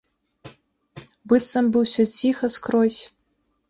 Быццам бы ўсё ціха скрозь.